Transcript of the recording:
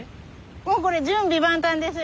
もうこれ準備万端ですよ。